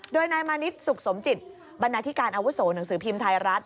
โดยนายมานิดสุขสมจิตบรรณาธิการอาวุโสหนังสือพิมพ์ไทยรัฐ